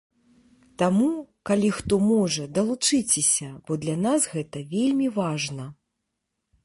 Таму, калі хто можа, далучыцеся, бо для нас гэта вельмі важна.